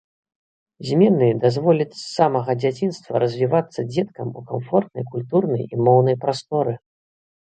Змены дазволяць з самага дзяцінства развівацца дзеткам у камфортнай культурнай і моўнай прасторы.